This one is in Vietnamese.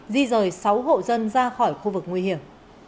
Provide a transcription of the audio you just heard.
di rời sáu hộ dân ra khỏi khu vực nguy hiểm